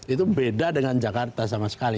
itu beda dengan jakarta sama sekali